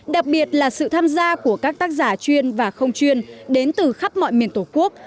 đặc biệt là sự tham gia của các tác giả chuyên và không chuyên đến từ khắp mọi miền tổ quốc